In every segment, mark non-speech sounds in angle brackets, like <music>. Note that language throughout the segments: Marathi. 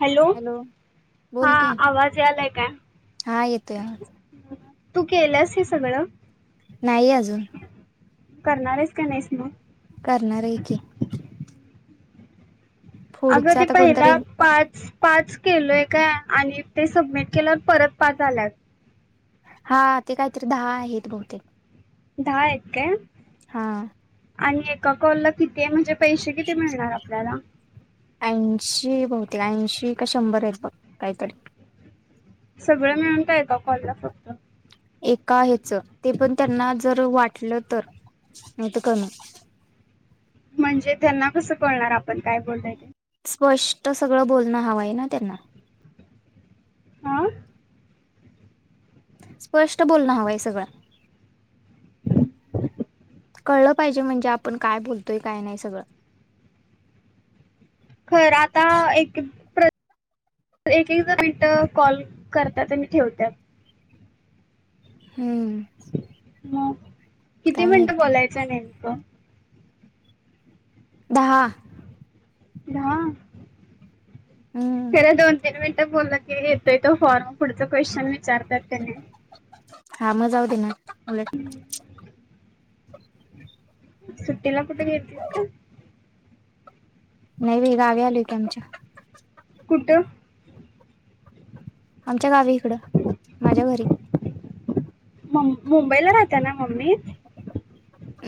हॅलो हा बोल की आवाज यालाय काय? हा येतोय आवाज. तू केलंस हे सगळं? नाही अजून करणार हाईस का नाहीस मग? करणार आहे की? आग पुढच ते आता पहिला कोणतरी पाच पाच केलोय काय आणि ते सबमिट केलंवर परत पाच आल्यात हा ते काहीतरी दहा आहेत बहुतेक दहा हायत काय? हा आणि एका कॉलला किती ते म्हणजे पैसे किती मिळणार आपल्याला ऐंशी बहुतेक, ऐंशी का शंभर आहेत बघ काहीतरी सगळं मिळून काय एका कॉलला फक्त एका ह्याच ते पण त्यांना जर वाटलं तर नाहीतर कमी म्हणजे त्यांना कसं कळणार आपण काय बोलाय स्पष्ट सगळं बोलणं हवं आहे ना त्यांना हा स्पष्ट बोलण हवंय सगळं कळलं पाहिजे, म्हणजे आपण काय बोलतोय, काय नाही सगळं खर आता एक -एक प्रत एकेक दहा मिनिट कॉल करत्यात आणि ठेवत्यात हम्म ह किती काय मिनिट माहिती बोलायचं नेमकं? दहा दहा हम्म खर दोन- तीन मिनिट ते बोलला की येतोय तो फॉर्म पुढच क्वेशन विचारत्यात का नाही हा म जाऊदे ना. ह सुट्टीला कुठे गेलतीस ग? नाही मी गावी आलोय इथ आमच्या कुठ? आमच्या गावी इकडं माझ्या घरी मुंबईला राहत्या ना अमित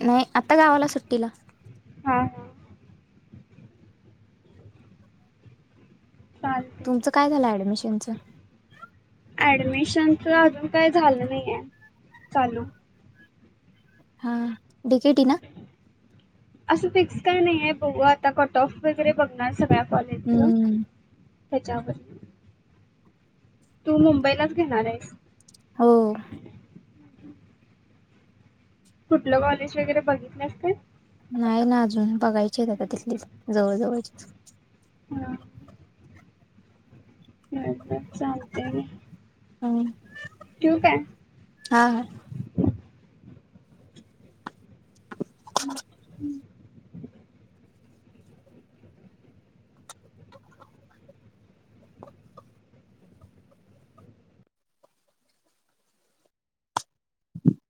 नाही आता गावाला सुट्टीला हा हा चालते तुमचं काय झालं ऍडमिशन कोणच? ऍडमिशनच अजून काही झालं नाही आहे चालू हा डिकेटी ना? असं फिक्स काय नाही आहे बघू आता कटऑफ वगैरे बघणार सगळ्या कॉलिंगच हम्म त्याच्यावर <inaudible> तू मुंबईलाच घेणार आहेस हो <inaudible> कुठलं कॉलेज वगैरे बघितल्यास काय? नाही ना अजून बघायची आता तिथलीच जवळ जवळची. ह <unintelligible> हम्म ठेवू काय. हा हा <unintelligible>